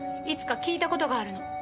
いつか聞いた事があるの。